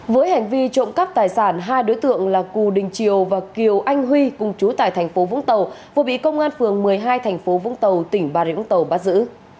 với hành vi trộm cắp tài sản hai đối tượng là cù đình triều và kiều anh huy cùng chú tại thành phố vũng tàu vừa bị công an phường một mươi hai thành phố vũng tàu tỉnh bà rịa vũng tàu bắt giữ